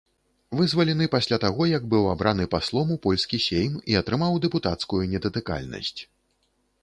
Вызвалены пасля таго, як быў абраны паслом у польскі сейм і атрымаў дэпутацкую недатыкальнасць.